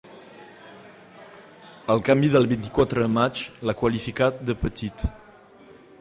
El canvi del vint-i-quatre de maig l’ha qualificat de ‘petit’.